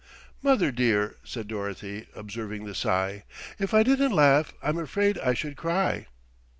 "Mother dear," said Dorothy, observing the sigh, "if I didn't laugh I'm afraid I should cry."